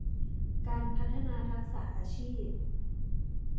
การพัฒนาทักษะอาชีพ